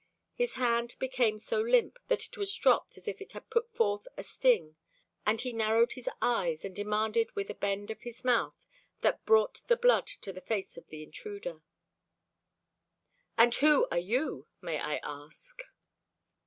His hand became so limp that it was dropped as if it had put forth a sting, and he narrowed his eyes and demanded with a bend of his mouth that brought the blood to the face of the intruder: "And who are you, may I ask?"